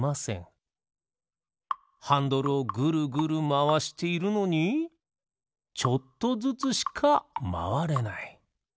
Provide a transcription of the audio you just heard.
ハンドルをグルグルまわしているのにちょっとずつしかまわれない。